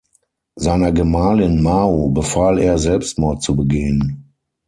Seiner Gemahlin Mao befahl er, Selbstmord zu begehen.